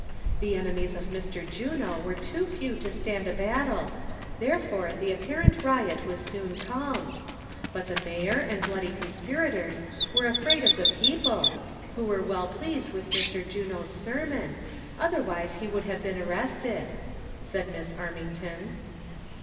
"The enemies to Mr. Juno were too few to stand a battle, therefore the apparent riot was soon calmed ; but the mayor and bloody conspirators w ere afraid of the people, who were well pleased with Mr. Juno's sermon, otherwise he would have been arrested," said Miss Arm ington.